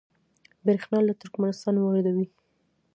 بریښنا له ترکمنستان واردوي